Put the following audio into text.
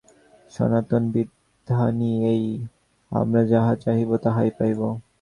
সনাতন বিধানই এই, আমরা যাহা চাহিব তাহাই পাইব।